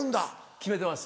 決めてます。